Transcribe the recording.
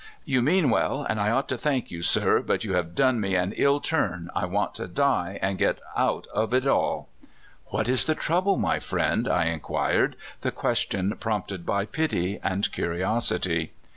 " You mean well, and I ought to thank you, sir; but you have done me an ill turn. I want to die and get out of it all." What is the trouble, my friend?" I inquired, the question prompted by pity and curiosity.